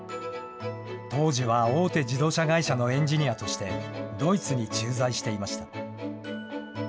当時は大手自動車会社のエンジニアとしてドイツに駐在していました。